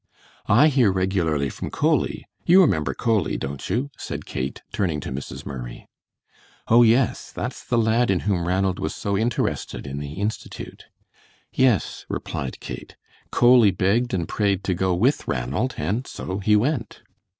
"I hear regularly from Coley. You remember Coley, don't you?" said Kate, turning to Mrs. Murray. "Oh, yes, that's the lad in whom Ranald was so interested in the Institute." "Yes," replied Kate; "Coley begged and prayed to go with Ranald, and so he went."